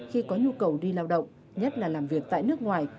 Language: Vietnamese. khi có nhu cầu đi lao động nhất là làm việc tại nước ngoài